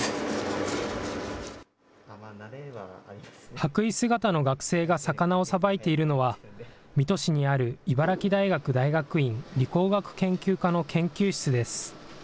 白衣姿の学生が魚をさばいているのは、水戸市にある茨城大学大学院理工学研究科の研究室です。